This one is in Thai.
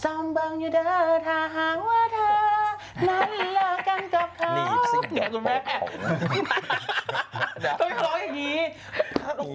ส้องบังอยู่เด้อถ้าห้างว่าเธอสนรักกับเขานี่สินข่าวขาวหนัก